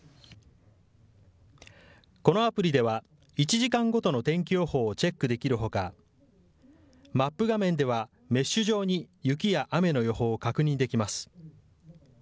このアプリでは１時間ごとの天気予報をチェックできるほかマップ画面ではメッシュ状に雪や雨の予報を確認できます。